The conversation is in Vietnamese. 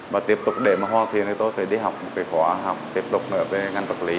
và tiếp tục để mà hoàn thiện thì tôi phải đi học một cái khóa học tiếp tục về ngành vật lý